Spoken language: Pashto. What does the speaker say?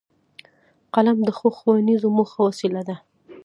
قلم د ښو ښوونیزو موخو وسیله ده